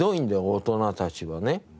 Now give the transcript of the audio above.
大人たちはね。